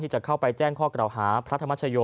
จะเข้าไปแจ้งข้อกล่าวหาพระธรรมชโย